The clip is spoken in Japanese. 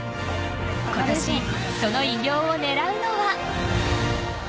今年、その偉業を狙うのは。